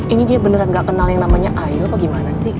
ini dia beneran gak kenal yang namanya ayo kok gimana sih